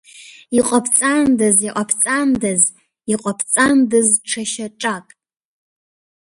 Иҟабҵандаз, иҟабҵандаз, иҟабҵандаз ҽа шьаҿак.